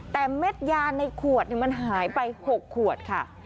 แต่เม็ดยาในขวดมันหายไป๖ขวดค่ะ